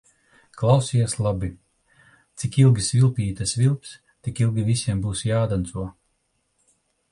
Klausies labi: cik ilgi svilpīte svilps, tik ilgi visiem būs jādanco.